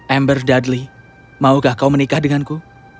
ember dudley maukah kau menikah denganku